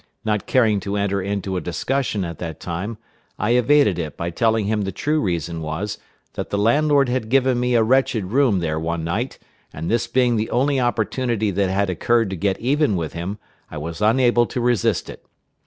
Not caring to enter into a discussion at that time, I evaded it by telling him the true reason was, that the landlord had given me a wretched room there one night, and this being the only opportunity that had occurred to get even with him, I was unable to resist it.